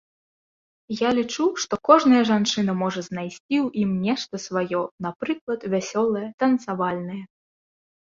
Я лічу, што кожная жанчына можа знайсці ў ім нешта сваё, напрыклад, вясёлае, танцавальнае.